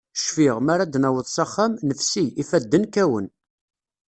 Cfiɣ, mi ara d-naweḍ s axxam, nefsi, ifadden kkawen.